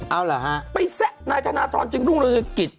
เอาเหรอฮะไปแซะนายธนทรจึงรุ่งเรืองกิจ